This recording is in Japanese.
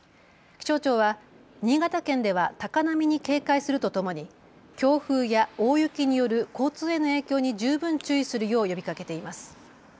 気象庁は新潟県では高波に警戒するとともに強風や大雪による交通への影響に十分注意するよう呼びかけています。